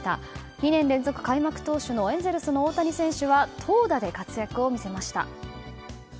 ２年連続開幕投手のエンゼルスの大谷選手は投打で活躍を見せました。